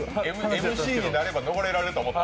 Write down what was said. ＭＣになれば逃れられると思った？